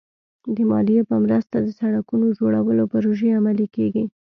د مالیې په مرسته د سړکونو جوړولو پروژې عملي کېږي.